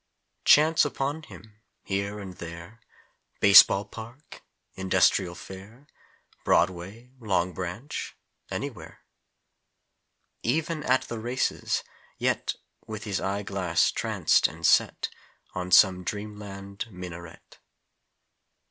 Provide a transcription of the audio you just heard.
Chance upon him, here and there Base ball park Industrial Fair Broadway Long Branch anywhere! Even at the races, yet With his eye glass tranced and set On some dream land minaret.